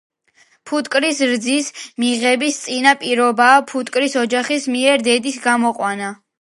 ფუტკრის რძის მიღების წინა პირობაა ფუტკრის ოჯახის მიერ დედის გამოყვანა.